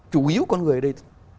chủ yếu con người ở đây